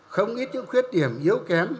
không ít những khuyết điểm yếu kém